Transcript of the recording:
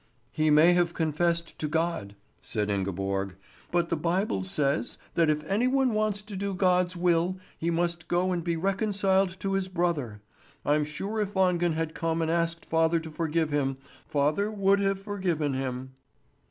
"He may have confessed to God," said Ingeborg. "But the Bible says that if any one wants to do God's will, he must go and be reconciled to his brother. I'm sure if Wangen had come and asked father to forgive him, father would have forgiven him."